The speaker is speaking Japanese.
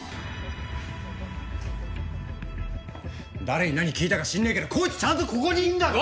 誰に何聞いたか知んねえけどこいつちゃんとここにいんだろ！